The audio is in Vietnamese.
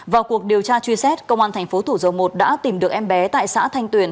vào cuộc điều tra truy xét công an thành phố thủ dầu một đã tìm được em bé tại xã thanh tuyền